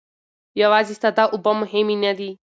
یوازې ساده اوبه مهمې نه دي.